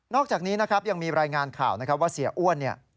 อกจากนี้นะครับยังมีรายงานข่าวนะครับว่าเสียอ้วนเนี่ย